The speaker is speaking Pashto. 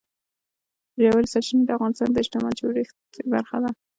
ژورې سرچینې د افغانستان د اجتماعي جوړښت برخه ده.